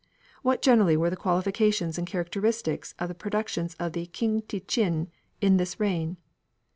What generally were the qualifications and characteristics of the productions of King te chin in this reign?